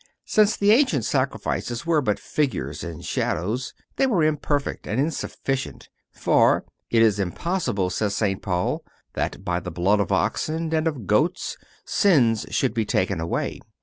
Since the ancient sacrifices were but figures and shadows, they were imperfect and insufficient; for "it is impossible," says St. Paul, "that by the blood of oxen and of goats sins should be taken away.